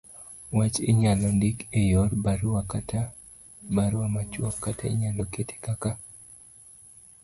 wach Inyalo ndik e yor barua ,kata barua machuok, kata inyalo kete kaka